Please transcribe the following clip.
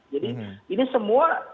jadi ini semua